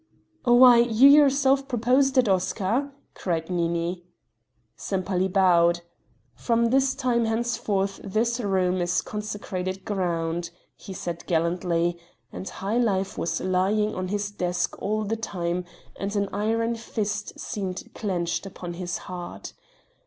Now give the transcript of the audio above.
"Why, you yourself proposed it, Oscar!" cried Nini. Sempaly bowed. "From this time henceforth this room is consecrated ground," he said gallantly and "High Life" was lying on his desk all the time and an iron fist seemed clenched upon his heart.